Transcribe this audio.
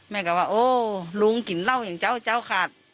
กับว่าโอ้ลุงกินเหล้าอย่างเจ้าเจ้าขาด